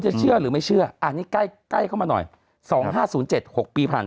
เชื่อหรือไม่เชื่ออันนี้ใกล้เข้ามาหน่อย๒๕๐๗๖ปีผ่าน